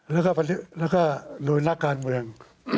แล้วก็โดยนักการเมือง